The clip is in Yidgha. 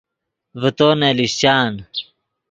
ڤے تو نے لیشچان